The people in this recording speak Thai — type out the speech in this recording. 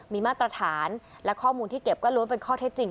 มีมาตรฐานและข้อมูลที่เก็บก็ล้วนเป็นข้อเท็จจริง